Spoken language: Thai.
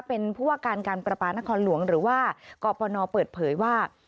เป็นผู้ว่าการการประปานครหลวงหรือว่ากปนเปิดเผยว่า